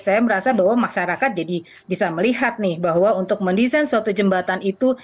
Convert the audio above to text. saya merasa bahwa masyarakat jadi bisa melihat nih bahwa untuk mendesain suatu jembatan itu